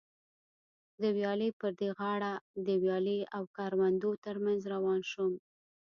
د ویالې پر دې غاړه د ویالې او کروندو تر منځ روان شوم.